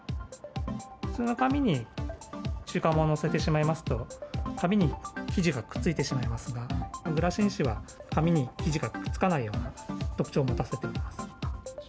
普通の紙に中華まんを載せてしまいますと、紙に生地がくっついてしまいますが、グラシン紙は紙に生地がくっつかないような特徴を持たせています。